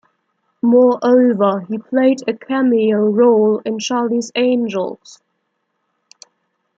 Moreover, he played a cameo role in "Charlie's Angels".